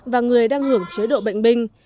và người đang hưởng chế độ bệnh binh